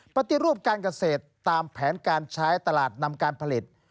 ปฏิรูปการเกษตรตามแผนการใช้ตลาดนำการผลิต